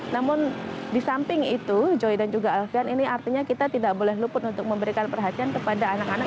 namun di samping itu joy dan juga alfian ini artinya kita tidak boleh luput untuk memberikan perhatian kepada anak anak